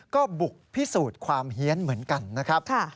ก็บุกพิสูจน์ความเฮียนเหมือนกันนะครับ